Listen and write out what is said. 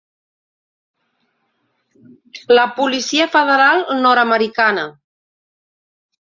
La policia federal nord-americana.